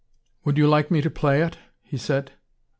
"Would you like me to play it?" he said.